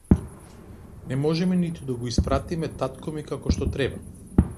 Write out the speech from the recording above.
Не можеме ниту да го испpaтиме тaткo ми како што треба